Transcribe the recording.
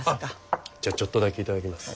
あじゃあちょっとだけ頂きます。